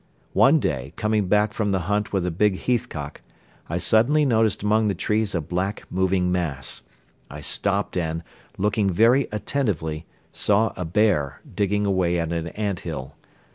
One day, coming back from the hunt with a big heathcock, I suddenly noticed among the trees a black, moving mass. I stopped and, looking very attentively, saw a bear, digging away at an ant hill.